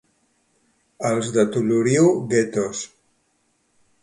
Els de Toloriu, guetos.